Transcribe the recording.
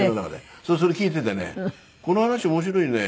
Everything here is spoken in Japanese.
それ聴いていてね「この話面白いね」